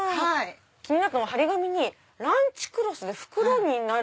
気になったのは張り紙にランチクロスで袋になる。